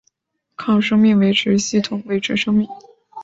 靠生命维持系统维持生命。